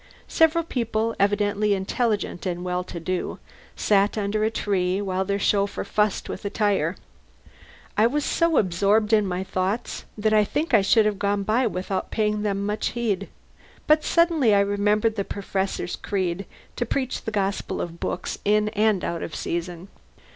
Several people, evidently intelligent and well to do, sat under a tree while their chauffeur fussed with a tire. I was so absorbed in my own thoughts that I think I should have gone by without paying them much heed, but suddenly I remembered the Professor's creed to preach the gospel of books in and out of season.